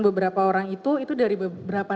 beberapa orang itu itu dari beberapa